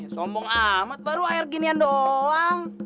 sombong amat baru air ginian doang